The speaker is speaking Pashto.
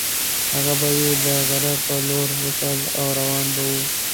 هغه به یې د غره په لور وشړل او روان به وو.